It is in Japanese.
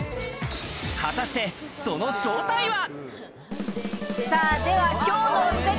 果たしてその正体は？